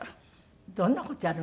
どんな事やる？